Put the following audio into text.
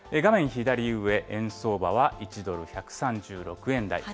左上、円相場は１ドル１３６円台。